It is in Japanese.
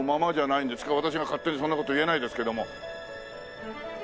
私が勝手にそんな事言えないですけども。